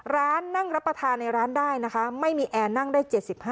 นั่งรับประทานในร้านได้นะคะไม่มีแอร์นั่งได้๗๕